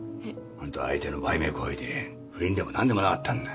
本当は相手の売名行為で不倫でもなんでもなかったんだ。